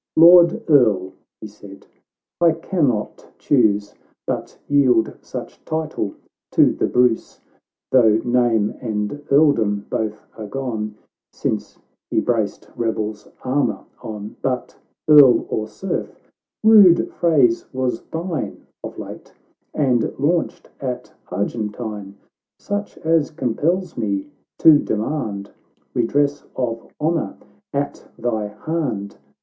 '" Lord Earl," he said, —" I cannot chuse But yield such title to the Bruce, Though name and earldom both are gone, Since he braced rebel's armour on — But, Earl or Serf — rude phrase was thine Of late, and launched at Argentine; Such as compels me to demand Redress of honour at thy hand.